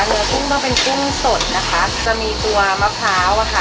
เนื้อพุ่งต้องเป็นกุ้งสดนะคะจะมีตัวมะพร้าวอ่ะค่ะ